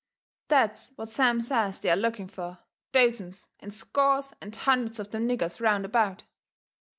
That's what Sam says they are looking fur, dozens and scores and hundreds of them niggers round about.